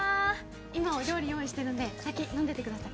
今お料理用意してるんで先飲んでてください